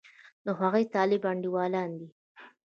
د هغوی طالب انډېوالان دي.